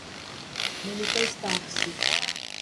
manifestar-se